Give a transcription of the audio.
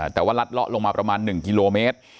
แต่ว่าลัดเลาะลงมาประมาณ๑กิโลเมตร